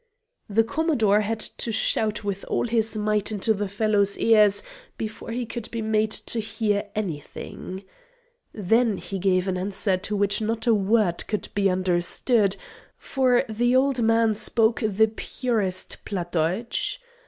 The Commodore had to shout with all his might into the fellow's ears before he could be made to hear anything. Then he gave an answer of which not a word could be understood, for the old man spoke the purest Platt Deutsch.